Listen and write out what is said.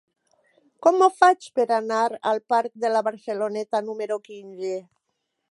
Com ho faig per anar al parc de la Barceloneta número quinze?